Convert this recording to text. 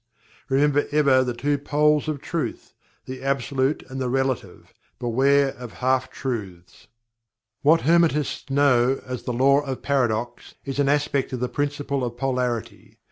Remember ever the Two Poles of Truth the Absolute and the Relative. Beware of Half Truths. What Hermetists know as "the Law of Paradox" is an aspect of the Principle of Polarity.